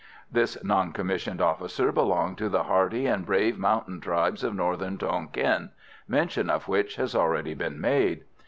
This non commissioned officer belonged to the hardy and brave mountain tribes of Northern Tonquin, mention of which has already been made.